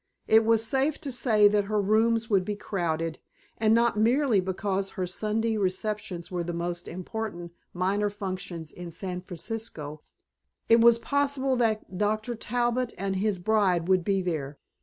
It was safe to say that her rooms would be crowded, and not merely because her Sunday receptions were the most important minor functions in San Francisco: it was possible that Dr. Talbot and his bride would be there.